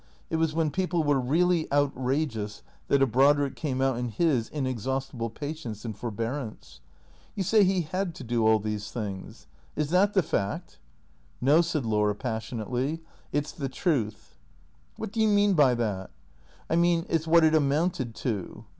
It was when people were really outrageous that a Brodrick came out in his inexhaustible patience and forbearance. " You say he had to do all these things. Is that the fact ?"" No," said Laura, passionately, " it 's the truth." " What do you mean by that ?"" I mean it 's what it amounted to.